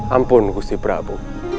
ampun gusti prabu